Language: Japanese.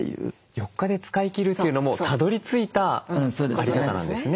４日で使い切るというのもたどりついた在り方なんですね。